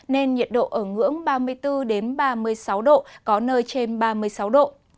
nên nhiệt độ ở ngưỡng ba mươi bốn ba mươi sáu độ có nơi trên ba mươi sáu độ